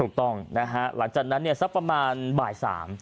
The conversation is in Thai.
ถูกต้องหลังจากนั้นสักประมาณบ่าย๓